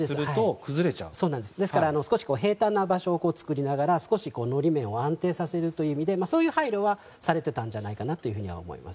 ですから、少し平坦な場所を作りながら法面を安定にさせるという意味でそういう配慮はされていたんじゃないかなと思います。